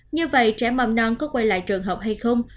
như vậy trẻ mầm non có quay lại trường học hay không